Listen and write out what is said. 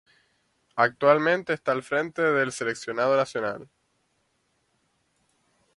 Actualmente está al frente del seleccionado nacional.